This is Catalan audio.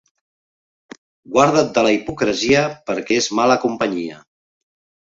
Guarda't de la hipocresia perquè és mala companyia.